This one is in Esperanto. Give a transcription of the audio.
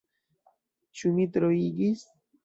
Ĉu mi troigis?